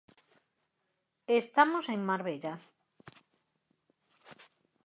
Estamos en Marbella.